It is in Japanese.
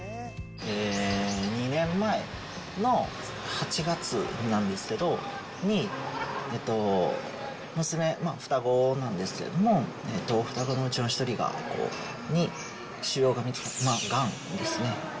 ２年前の８月なんですけど、娘、双子なんですけども、双子のうちの１人に腫瘍が見つかって、まあ、がんですね。